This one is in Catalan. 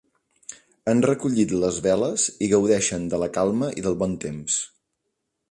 Han recollit les veles i gaudeixen de la calma i del bon temps.